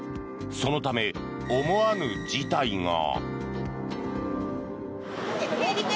そのため、思わぬ事態が。